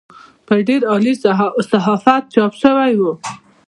په ډېر عالي صحافت چاپ شوې وه.